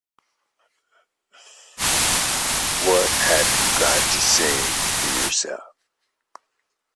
What have you got to say for yourself?